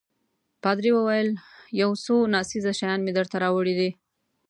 پادري وویل: یو څو ناڅېزه شیان مې درته راوړي دي.